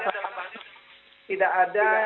itu mungkin menceritakan pasal pasalan